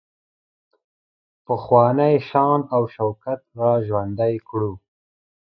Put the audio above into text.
پخوانی شان او شوکت را ژوندی کړو.